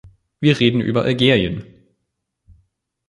Wir reden über Algerien.